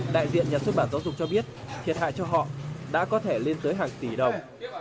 đại diện nhà xuất bản giáo dục cho biết thiệt hại cho họ đã có thể lên tới hàng tỷ đồng